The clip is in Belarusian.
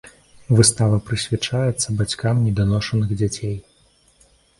Выстава прысвячаецца бацькам неданошаных дзяцей.